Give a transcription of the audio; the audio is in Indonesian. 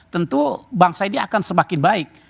tentu bangsa ini akan semakin baik